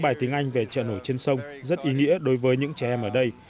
bài tiếng anh về trợ nổi trên sông rất ý nghĩa đối với những trẻ em ở đây